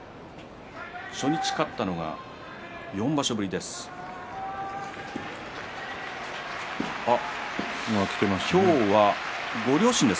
初日勝ったのは４場所ぶりです。